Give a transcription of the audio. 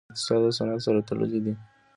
اقتصاد او صنعت سره تړلي دي